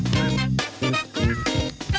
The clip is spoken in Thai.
สวัสดีค่ะ